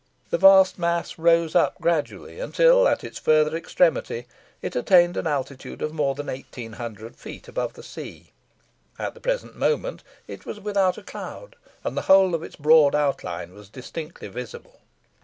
The vast mass rose up gradually until at its further extremity it attained an altitude of more than 1800 feet above the sea. At the present moment it was without a cloud, and the whole of its broad outline was distinctly visible.